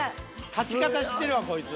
勝ち方知ってるわこいつ。